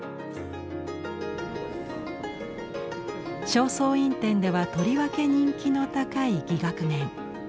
「正倉院展」ではとりわけ人気の高い「伎楽面」。